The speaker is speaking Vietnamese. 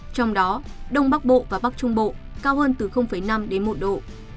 trong đó đông bắc bộ và bắc trung bộ cao hơn từ năm đến một độ